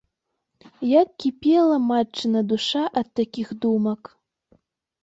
Як кіпела матчына душа ад такіх думак.